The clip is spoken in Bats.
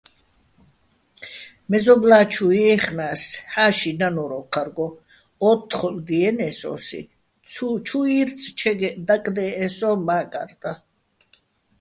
მეზობლა́ჩუ ჲეხნა́ს, ჰ̦ა́ში დანო́რ ოჴარგო, ო́თთხოლ დიენე́ს ო́სი, ჩუ ჲირწჩეგეჸ დაკდე́ჸე სოჼ მა́კარტაჼ.